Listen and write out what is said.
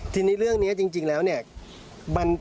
ทีนี้เรื่องนี้จริงแล้วเนี่ย